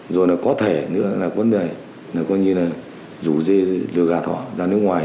rồi có thể rủ dê lừa gạt họ ra nước ngoài